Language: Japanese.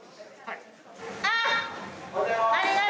あっ！